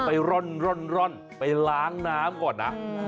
ไปร่อนไปล้างน้ำก่อนนะ